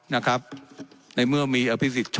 และยังเป็นประธานกรรมการอีก